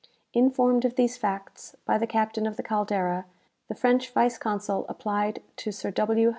"Informed of these facts by the captain of the 'Caldera,' the French vice consul applied to Sir W.